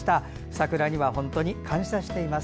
桜には本当に感謝しています。